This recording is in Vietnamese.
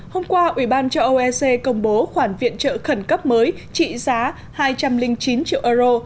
hôm qua ủy ban cho oecd công bố khoản viện trợ khẩn cấp mới trị giá hai trăm linh chín triệu euro